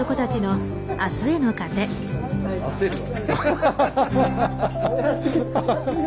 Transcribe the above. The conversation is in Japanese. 焦るわ。